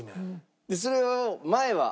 それを前は。